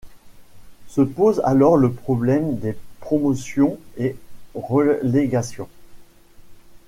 Se pose alors le problème des promotions et relégations.